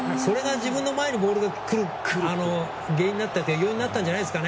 自分の前にボールが来る要因になったんじゃないですか。